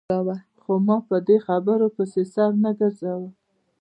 خو ما په دې خبرو پسې سر نه ګرځاوه.